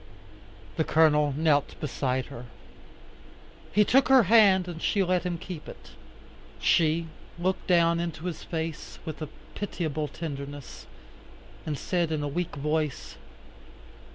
The Colonel knelt beside her. He took her hand and she let him keep it. She looked down into his face, with a pitiable tenderness, and said in a weak voice.